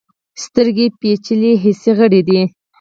سترګې پیچلي حسي غړي دي.